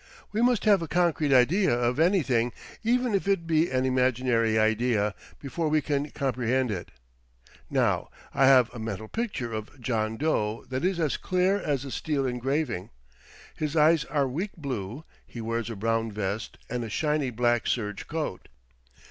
We must have a concrete idea of anything, even if it be an imaginary idea, before we can comprehend it. Now, I have a mental picture of John Doe that is as clear as a steel engraving. His eyes are weak blue; he wears a brown vest and a shiny black serge coat.